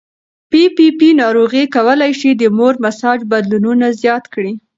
پي پي پي ناروغي کولی شي د مور مزاج بدلونونه زیات کړي.